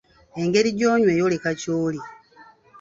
Engeri gy'onywa eyoleka ky'oli.